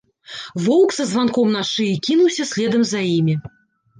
Воўк са званком на шыі кінуўся следам за імі.